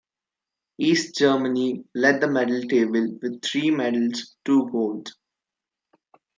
East Germany led the medal table with three medals, two gold.